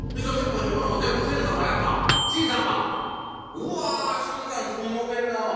うわ信さん隅に置けんなあ。